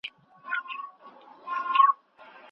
کشکي ستا په خاطر لمر وای راختلی